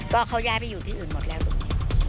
ก็เขาย้ายไปอยู่ที่อื่นหมดแล้วตรงนี้